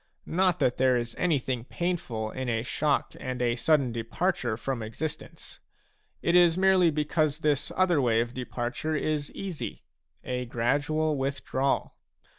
Not that there is anything painful in a shock and a sudden departure from existence ; it is merely because this other way of departure is easy, — a gradual withdrawal.